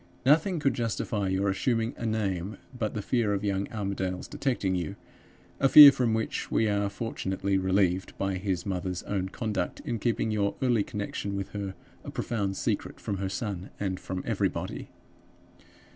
Nothing could justify your assuming a name but the fear of young Armadale's detecting you a fear from which we are fortunately relieved by his mother's own conduct in keeping your early connection with her a profound secret from her son and from everybody.